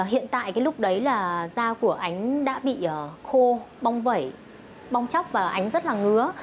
hiện tại cái lúc đấy là da của ánh đã bị khô bong vẩy bong chóc và ánh rất là ngứa